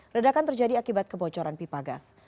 ledakan terjadi akibat kebocoran pipa gas